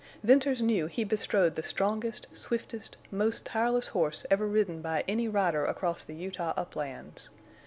Venters knew he bestrode the strongest, swiftest, most tireless horse ever ridden by any rider across the Utah uplands.